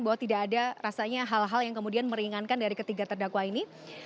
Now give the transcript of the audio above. bahwa tidak ada rasanya hal hal yang kemudian meringankan dari ketiga terdakwa ini